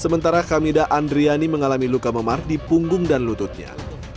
sementara kamida andriani mengalami luka memar di punggung dan lututnya